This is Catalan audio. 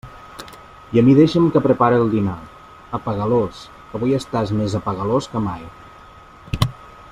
I a mi deixa'm que prepare el dinar, apegalós, que avui estàs més apegalós que mai.